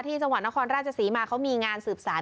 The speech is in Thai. จังหวัดนครราชศรีมาเขามีงานสืบสาร